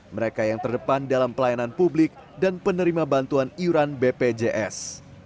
mereka yang terdepan dalam pelayanan publik dan penerima bantuan iuran bpjs